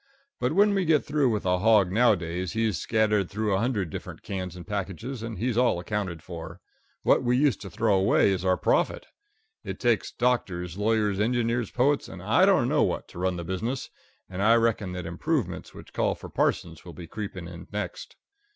But when we get through with a hog nowadays, he's scattered through a hundred different cans and packages, and he's all accounted for. What we used to throw away is our profit. It takes doctors, lawyers, engineers, poets, and I don't know what, to run the business, and I reckon that improvements which call for parsons will be creeping in next.